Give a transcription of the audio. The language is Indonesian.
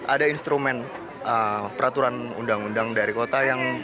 ada instrumen peraturan undang undang dari kota yang